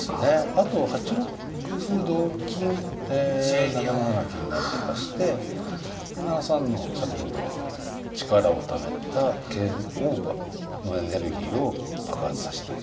あと８六歩同金え７七銀成とかして７三の先ほど力をためた桂のエネルギーを爆発さしたい。